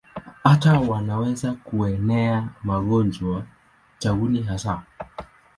Hata wanaweza kuenea magonjwa, tauni hasa.